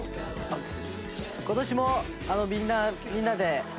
今年もみんなみんなで。